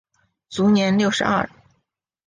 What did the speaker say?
卒年六十二。